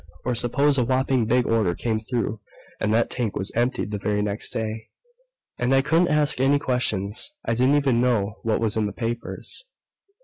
Or, suppose a whopping big order came through and that tank was emptied the very next day. And I couldn't ask any questions I didn't even know what was in the papers.